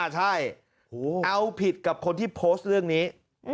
ใช่เอาผิดกับคนที่โพสต์เรื่องนี้